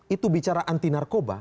itu bicara anti narkoba